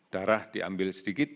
darah diambil sedikit